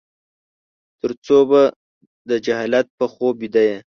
ترڅو به د جهالت په خوب ويده يې ؟